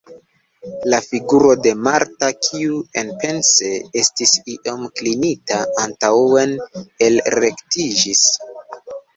La figuro de Marta, kiu enpense estis iom klinita antaŭen, elrektiĝis.